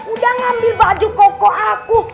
udah ngambil baju kokoh aku